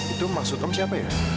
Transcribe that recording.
itu maksud kamu siapa ya